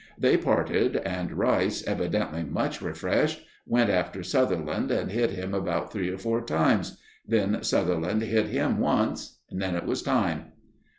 They parted, and Rice, evidently much refreshed, went after Sutherland and hit him about three or four times; then Sutherland hit him once. Then it was time.